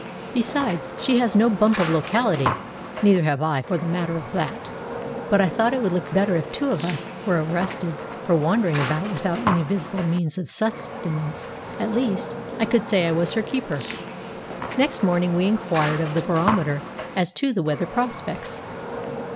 Besides, she has no bump of locality (neither have I, for the matter of that); but I thought it would look better if two of us were arrested for wandering about without any visible means of subsistence; at least, I could say I was her keeper. Next morning we inquired of the barometer as to the weather prospects.